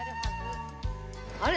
あれ？